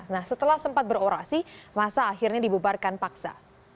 nah setelah sempat berorasi masa akhirnya dibubarkan paksa